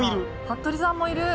服部さんもいる！